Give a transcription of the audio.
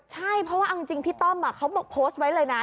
ใช่เพราะว่าเอาจริงพี่ต้อมเขาบอกโพสต์ไว้เลยนะ